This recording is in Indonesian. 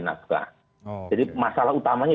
nafkah jadi masalah utamanya